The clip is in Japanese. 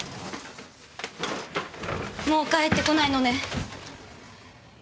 もう帰って来ないのね。